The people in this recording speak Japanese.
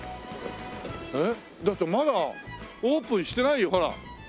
えっ？だってまだオープンしてないよほら。